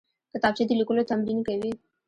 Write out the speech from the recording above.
کتابچه د لیکلو تمرین کوي